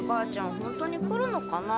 本当に来るのかな？